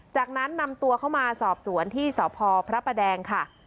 จากนั้นนำตัวเข้ามาสอบสวนที่สพพระประแดงค่ะ